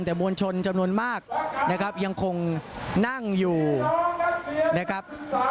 แต่มวลชนจำนวนมากนะครับยังคงนั่งอยู่นะครับ